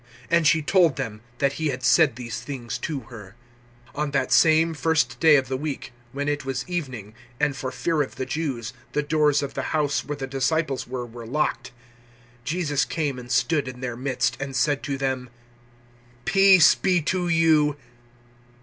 And she told them that He had said these things to her. 020:019 On that same first day of the week, when it was evening and, for fear of the Jews, the doors of the house where the disciples were, were locked, Jesus came and stood in their midst, and said to them, "Peace be to you!"